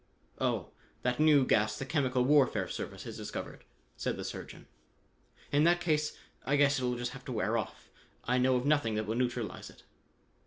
"Oh, that new gas the Chemical Warfare Service has discovered," said the surgeon. "In that case I guess it'll just have to wear off. I know of nothing that will neutralize it."